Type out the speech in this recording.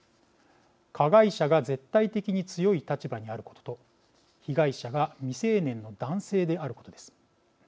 加害者が絶対的に強い立場にあることと被害者が未成年の男性であることです。